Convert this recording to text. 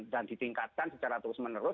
dan ditingkatkan secara terus menerus